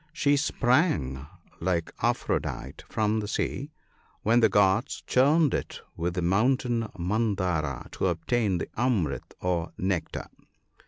She sprang, like Aphrodite, from the sea, when the gods churned it with the mountain Mandara to obtain the " Amrit," or nectar.